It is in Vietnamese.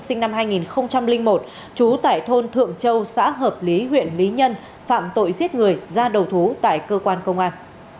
sinh năm hai nghìn một trú tại thôn thượng châu xã hợp lý huyện lý nhân phạm tội giết người ra đầu thú tại cơ quan công an